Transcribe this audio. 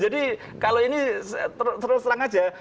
jadi kalau ini terus terang saja